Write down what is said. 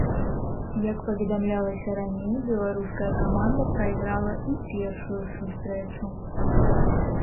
Як паведамлялася раней, беларуская каманда прайграла і першую сустрэчу.